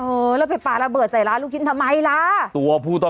เออแล้วไปปาระเบิดใส่ร้านลูกชิ้นทำไมละ